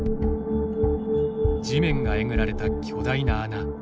地面がえぐられた、巨大な穴。